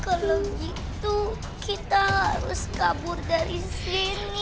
kalau gitu kita harus kabur dari sini